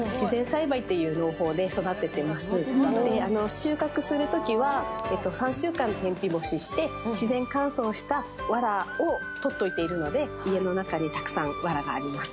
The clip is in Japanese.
収穫するときは３週間天日干しして自然乾燥したわらを取っといているので家の中にたくさんわらがあります。